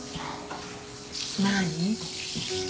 何？